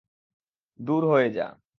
দূর হয়ে যা!